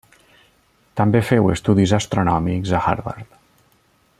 També feu estudis astronòmics a Harvard.